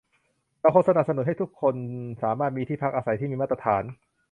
เราควรสนับสนุนให้คนทุกคนสามารถมีที่พักอาศัยที่มีมาตรฐาน